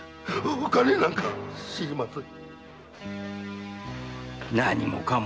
お金なんか知りません！